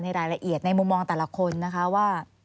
รายละเอียดในมุมมองแต่ละคนนะคะว่า